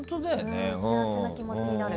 幸せな気持ちになる。